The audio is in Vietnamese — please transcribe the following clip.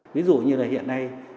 ví dụ như là hiện nay